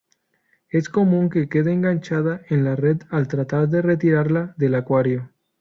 Es común que quede enganchada en la red al tratar de retirarla del acuario.